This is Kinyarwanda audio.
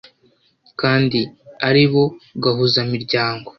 kandi ari bo gahuzamiryango.